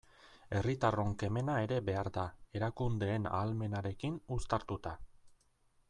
Herritarron kemena ere behar da, erakundeen ahalmenarekin uztartuta.